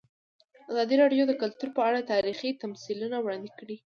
ازادي راډیو د کلتور په اړه تاریخي تمثیلونه وړاندې کړي.